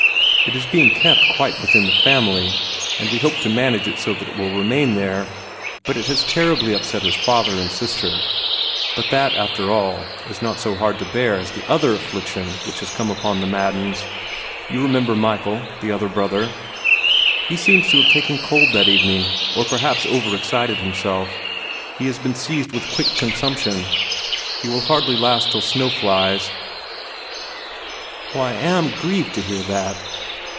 It is being kept quite within the family, and we hope to manage so that it will remain there, but it has terribly upset his father and his sister. But that, after all, is not so hard to bear as the other affliction that has come upon the Maddens. You remember Michael, the other brother? He seems to have taken cold that evening, or perhaps over exerted himself. He has been seized with quick consumption. He will hardly last till snow flies." "Oh, I am GRIEVED to hear that!"